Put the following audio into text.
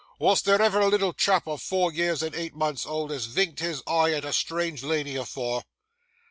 Wos there ever a little chap o' four year and eight months old as vinked his eye at a strange lady afore?